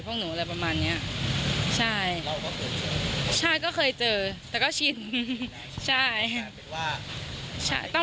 พวกหนูอะไรประมาณเนี้ยใช่เราก็เคยเจอใช่ก็เคยเจอแต่ก็ชินใช่ต้อง